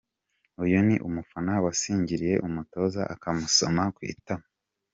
Uyu ni umufana wasingiriye umutoza akamusoma ku itama.